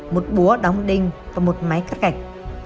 một búa đóng đinh và một máy cắt gạch